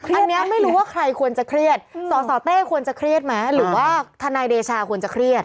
อันนี้ไม่รู้ว่าใครควรจะเครียดสสเต้ควรจะเครียดไหมหรือว่าทนายเดชาควรจะเครียด